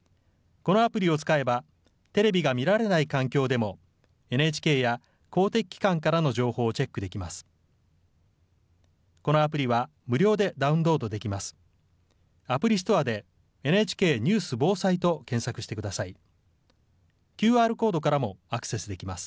このアプリを使えば、テレビが見られない環境でもＮＨＫや公的機関からの情報をチェックできます。